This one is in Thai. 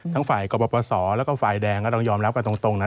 ทั้งฝ่ายกบประสอท์แล้วก็ฝ่ายแดงต้องยอมรับตรงนะ